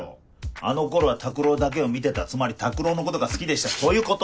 あの頃は拓郎だけを見てたつまり拓郎のことが好きでしたそういうこと。